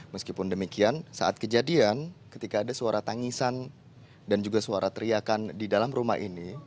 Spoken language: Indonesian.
meskipun demikian saat kejadian ketika ada suara tangisan dan juga suara teriakan di dalam rumah ini